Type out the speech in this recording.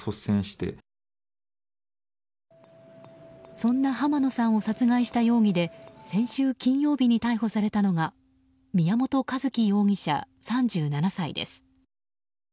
そんな濱野さんを殺害した容疑で先週金曜日に逮捕されたのが宮本一希容疑者、３７歳です。